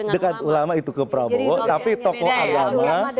dekat ulama itu ke prabowo tapi tokoh agama